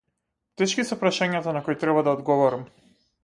Тешки се прашањата на кои треба да одговорам.